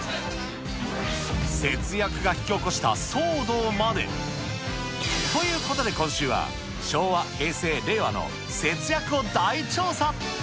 節約が引き起こした騒動まで。ということで、今週は昭和、平成、令和の節約を大調査！